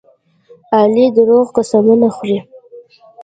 علي دروغ قسمونه خوري.